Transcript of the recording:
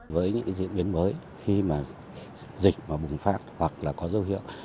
với những diễn biến mới khi mà dịch bùng phát hoặc là có dấu hiệu